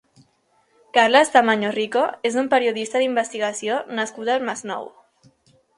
Carles Tamayo Rico és un periodista d'investigació nascut al Masnou.